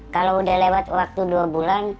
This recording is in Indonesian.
kalau udah lewat waktu dua bulan